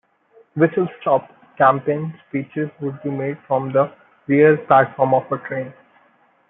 "Whistle stop" campaign speeches would be made from the rear platform of a train.